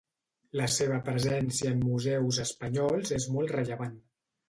La seva presència en museus espanyols és molt rellevant.